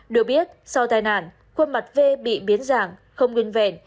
được biết sau tai nạn khuôn mặt v bị biến dạng không nguyên vẹn